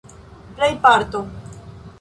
plejparto